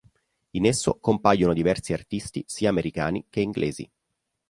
In esso compaiono diversi artisti sia americani che inglesi.